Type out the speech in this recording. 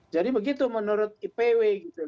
jadi begitu menurut ipw gitu loh ya